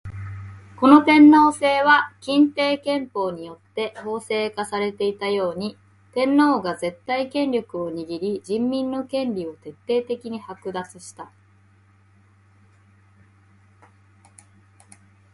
この天皇制は欽定憲法によって法制化されていたように、天皇が絶対権力を握り人民の権利を徹底的に剥奪した。